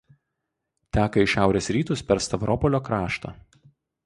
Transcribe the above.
Teka į šiaurės rytus per Stavropolio kraštą.